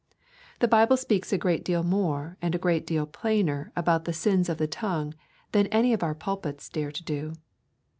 The Bible speaks a great deal more and a great deal plainer about the sins of the tongue than any of our pulpits dare to do.